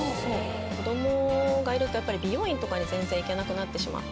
子供がいるとやっぱり美容院とかに全然行けなくなってしまった。